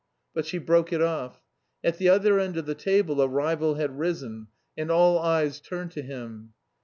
But she broke off. At the other end of the table a rival had risen, and all eyes turned to him.